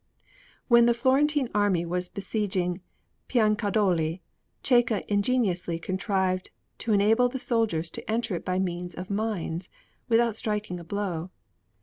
When the Florentine army was besieging Piancaldoli, Cecca ingeniously contrived to enable the soldiers to enter it by means of mines, without striking a blow.